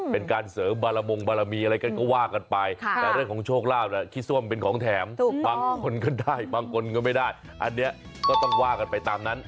เป็นการเสริมบารมงค์บารมี